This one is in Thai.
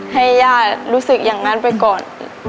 ให้ย่ารู้สึกอย่างนั้นไปก่อน